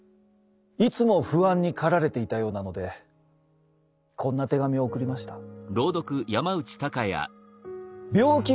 いつも不安に駆られていたようなのでこんな手紙を送りました。